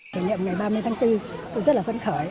kỷ niệm ngày ba mươi tháng bốn tôi rất là phấn khởi